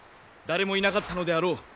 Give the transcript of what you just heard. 誰もいなかったのであろう！